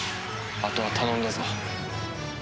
あとは頼んだぞ。